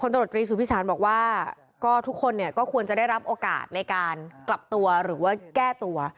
พนตรศรีสุพิษาบอกว่าทุกคนก็ควรจะได้รับโอกาสในการกลับตัวหรือว่าแก้ตัว